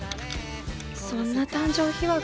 そんな誕生秘話が。